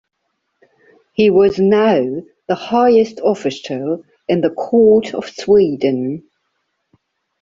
He was now the highest official in the court of Sweden.